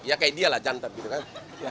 ya kayak dia lah jantep gitu kan